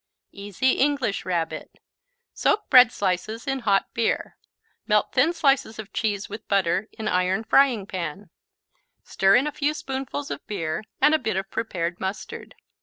Easy English Rabbit Soak bread slices in hot beer. Melt thin slices of cheese with butter in iron frying pan, stir in a few spoonfuls of beer and a bit of prepared mustard.